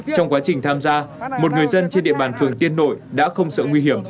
trong quá trình tham gia một người dân trên địa bàn phường tiên nội đã không sợ nguy hiểm